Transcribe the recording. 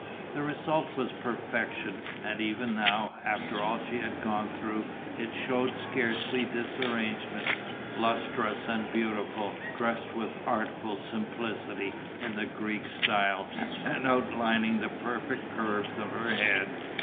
The result was perfection, and even now, after all she had gone through, it shewed scarcely disarrangement, lustrous and beautiful, dressed with artful simplicity in the Greek style and outlining the perfect curves of her head.